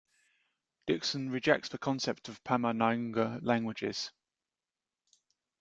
Dixon rejects the concept of Pama-Nyungan languages.